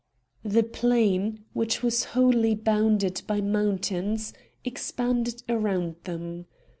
The plain, which was wholly bounded by mountains, expanded around them.